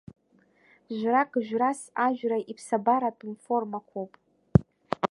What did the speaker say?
Жәрак, жәрас ажәра иԥсабаратәым формақәоуп.